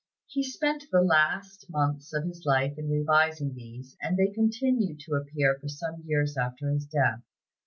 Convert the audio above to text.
He spent the last months of his life in revising these, and they continued to appear for some years after his death.